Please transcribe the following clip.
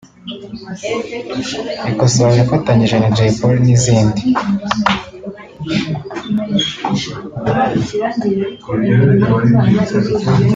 Ikosora yafatanyije na Jay Polly n'izindi